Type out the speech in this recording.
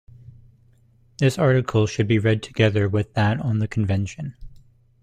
This article should be read together with that on the Convention.